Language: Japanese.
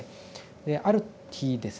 である日ですね